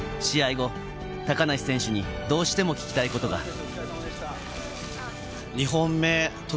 試合後、高梨選手にどうしても聞きたいことが。